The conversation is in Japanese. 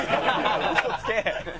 嘘つけ！